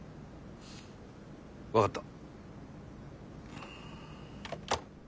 分かった。